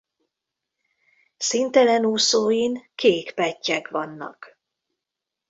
Színtelen úszóin kék pettyek vannak.